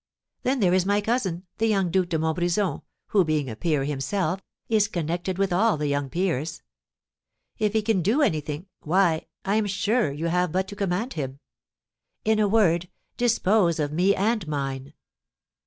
Then there is my cousin, the young Duke de Montbrison, who, being a peer himself, is connected with all the young peers. If he can do anything, why, I am sure you have but to command him. In a word, dispose of me and mine.